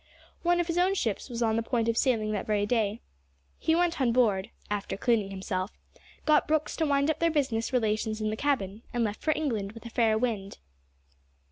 One of his own ships was on the point of sailing that very day. He went on board after cleaning himself got Brooks to wind up their business relations in the cabin, and left for England with a fair wind.